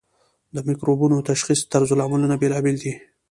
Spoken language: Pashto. د مکروبونو تشخیصي طرزالعملونه بیلابیل دي.